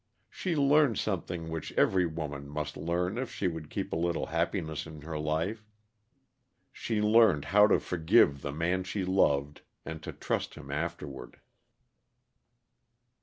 She learned something which every woman must learn if she would keep a little happiness in her life: she learned how to forgive the man she loved, and to trust him afterward.